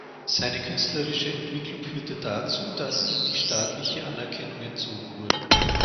Seine künstlerische Entwicklung führte dazu, dass ihm die staatliche Anerkennung entzogen wurde.